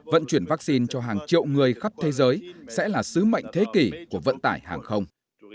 vận chuyển vaccine cho hàng triệu người khắp thế giới sẽ là sứ mệnh thế kỷ của vận tải hàng không